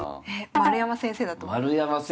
丸山先生だと思います。